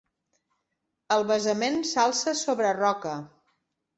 El basament s'alça sobre roca.